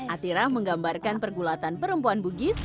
atirah menggambarkan pergulatan perempuan bugis